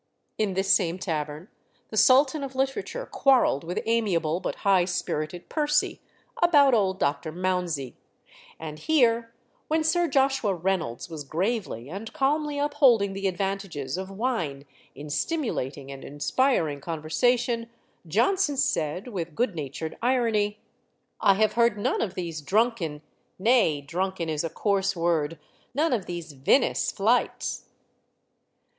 In this same tavern the sultan of literature quarrelled with amiable but high spirited Percy about old Dr. Mounsey; and here, when Sir Joshua Reynolds was gravely and calmly upholding the advantages of wine in stimulating and inspiring conversation, Johnson said, with good natured irony, "I have heard none of these drunken nay, drunken is a coarse word none of these vinous flights!"